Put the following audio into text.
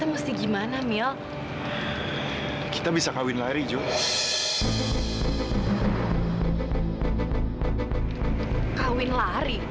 wah tau juga